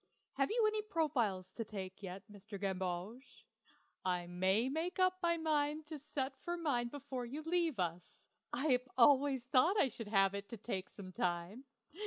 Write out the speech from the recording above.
Have you any profiles to take yet, Mr. Gamboge? I may make up my mind to set for mine before you leave us; I've always thought I should have it taken some time.